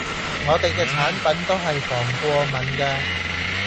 我哋嘅產品都係防過敏㗎